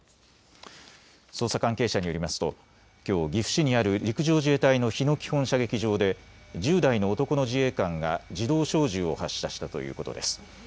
捜査関係者によりますときょう岐阜市にある陸上自衛隊の日野基本射撃場で１０代の男の自衛官が自動小銃を発射したということです。